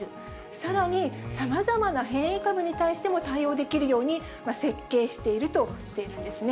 さらに、さまざま変異株に対しても対応できるように設計しているとしているんですね。